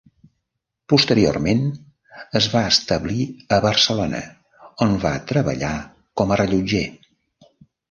Posteriorment, es va establir a Barcelona, on va treballar com a rellotger.